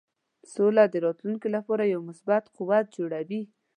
سوله د راتلونکې لپاره یو مثبت قوت جوړوي.